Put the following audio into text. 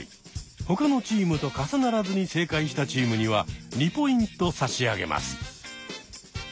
ほかのチームと重ならずに正解したチームには２ポイント差し上げます。